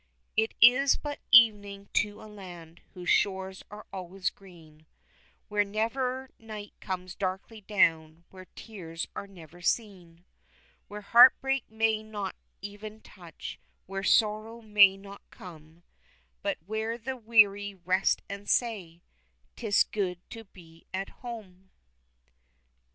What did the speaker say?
It is but evening to a land whose shores are always green, Where never night comes darkly down, where tears are never seen, Where heartbreak may not even touch, where sorrow may not come, But where the weary rest and say, "'Tis good to be at home!"